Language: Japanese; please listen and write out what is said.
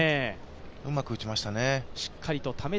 うまく打ちましたね。